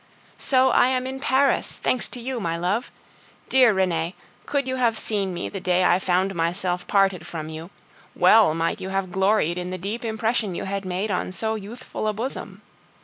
So I am in Paris, thanks to you, my love! Dear Renee, could you have seen me the day I found myself parted from you, well might you have gloried in the deep impression you had made on so youthful a bosom.